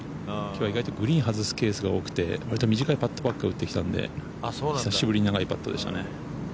きょうは意外とグリーンを外すケースが多くて割と短いパットばっかり打ってきたんで久しぶりに長いパットでしたね。